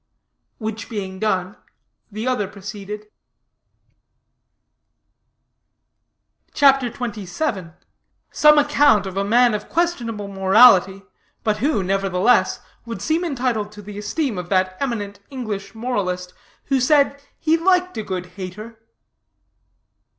Which being done, the other proceeded: CHAPTER XXVII. SOME ACCOUNT OF A MAN OF QUESTIONABLE MORALITY, BUT WHO, NEVERTHELESS, WOULD SEEM ENTITLED TO THE ESTEEM OF THAT EMINENT ENGLISH MORALIST WHO SAID HE LIKED A GOOD HATER.